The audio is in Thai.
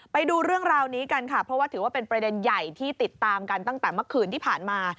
ไปดูเรื่องราวนี้กันค่ะเพราะว่าถือว่าเป็นประเด็นใหญ่ที่ติดตามกันตั้งแต่เมื่อคืนที่ผ่านมา